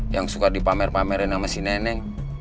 yang suka dipamer pamerin sama si nenek